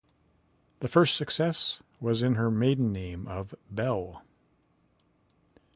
The first success was in her maiden name of Bell.